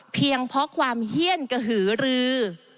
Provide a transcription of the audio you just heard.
เพียงเพราะความเฮียนกระหือรือ